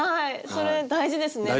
それ大事ですね